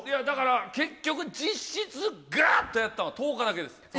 だから結局、実質がっとやったのは１０日だけです。